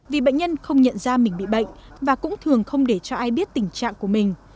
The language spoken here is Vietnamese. vì bệnh nhân không nhận ra mình bị bệnh và cũng thường không để cho ai biết tình trạng của mình